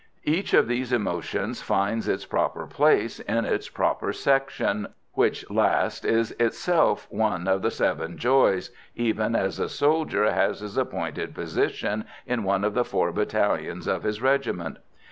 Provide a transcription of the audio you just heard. Each of these emotions finds its proper place in its proper section, which last is itself one of 'The Seven Joys,' even as a soldier has his appointed position in one of the four battalions of his regiment.